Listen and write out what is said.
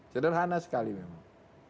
sederhana sekali memang